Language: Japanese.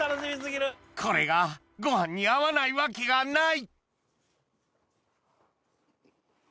これがご飯に合わないわけがない！